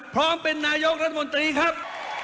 พร้อมเป็นนายกรัฐมนตรีครับ